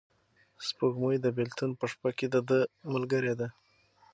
سپوږمۍ د بېلتون په شپه کې د ده ملګرې ده.